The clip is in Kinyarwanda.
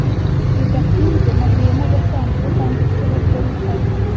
Bidatinze nahuye nagasanduku kanditseho Terry Tate.